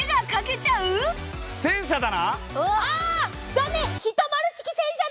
残念！